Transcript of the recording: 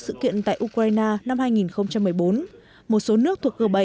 sự kiện tại ukraine năm hai nghìn một mươi bốn một số nước thuộc g bảy